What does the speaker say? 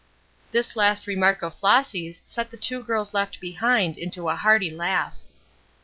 This last remark of Flossy's set the two girls left behind into a hearty laugh.